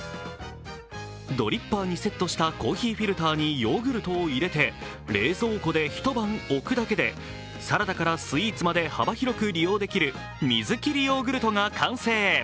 ドリッパーにセットしたコーヒーフィルターにヨーグルトを入れて冷蔵庫で一晩おくだけでサラダからスイーツまで幅広く利用できる水切りヨーグルトが完成。